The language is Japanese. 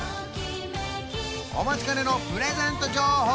お待ちかねのプレゼント情報